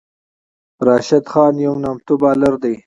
راشد خان یو نامتو بالر دئ.